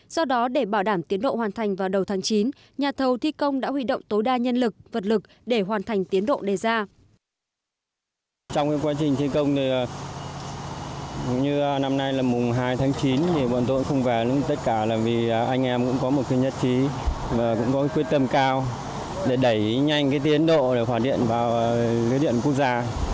do đó để bảo đảm tiến độ hoàn thành vào đầu tháng chín nhà thầu thi công đã huy động tối đa nhân lực vật lực để hoàn thành tiến độ đề ra